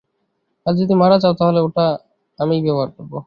আর যদি মারা যাও, তাহলে ওটা আমিই ব্যবহার করব।